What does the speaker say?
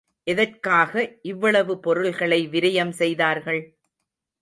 எதற்காக இவ்வளவு பொருள்களை விரயம் செய்தார்கள்?